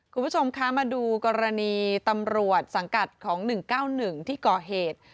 คุณผู้ชมคะมาดูกรณีตำรวจสังกัดของ๑๙๑ที่ก่อเหตุ